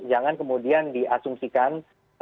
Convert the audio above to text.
jangan kemudian diasumsikan